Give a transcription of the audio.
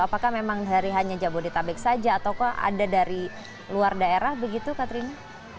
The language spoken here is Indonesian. apakah memang dari hanya jabodetabek saja atau ada dari luar daerah begitu katrina